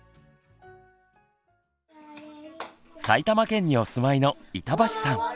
埼玉県にお住まいの板橋さん。